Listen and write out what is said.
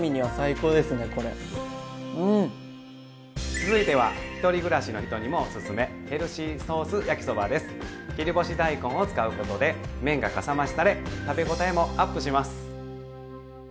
続いては１人暮らしの人にもおすすめ切り干し大根を使うことで麺がかさ増しされ食べ応えもアップします。